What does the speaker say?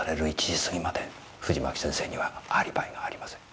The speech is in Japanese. １時過ぎまで藤巻先生にはアリバイがありません。